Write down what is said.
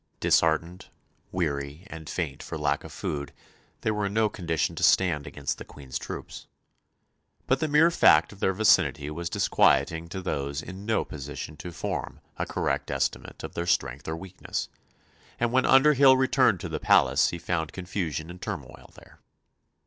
Disheartened, weary, and faint for lack of food, they were in no condition to stand against the Queen's troops. But the mere fact of their vicinity was disquieting to those in no position to form a correct estimate of their strength or weakness, and when Underhyll returned to the palace he found confusion and turmoil there.